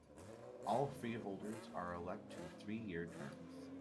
All freeholders are elected to three-year terms.